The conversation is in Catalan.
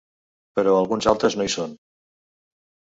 Però alguns altres no hi són.